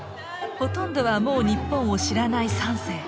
ほとんどはもう日本を知らない３世。